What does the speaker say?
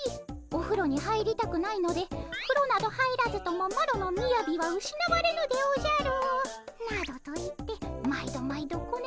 おふろに入りたくないので「ふろなど入らずともマロのみやびはうしなわれぬでおじゃる」などと言って毎度毎度ごねられます。